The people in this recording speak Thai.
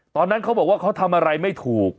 ตอนนั้นเขาบอกว่าเขาทำอะไรไม่ถูก